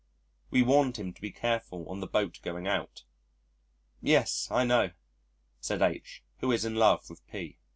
We warned him to be careful on the boat going out. "Yes, I know," said H (who is in love with P